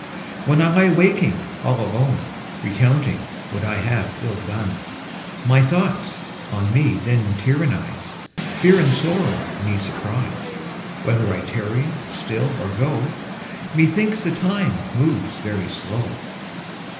When I lie waking all alone, Recounting what I have ill done, My thoughts on me then tyrannise, Fear and sorrow me surprise, Whether I tarry still or go, Methinks the time moves very slow.